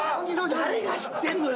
誰が知ってんのよ。